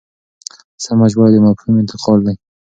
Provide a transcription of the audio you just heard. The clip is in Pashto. سمه ژباړه د مفهوم انتقال دی.